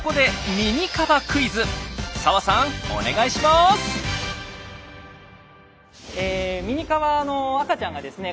ミニカバの赤ちゃんがですね